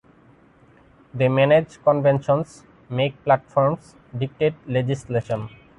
They manage conventions, make platforms, dictate legislation.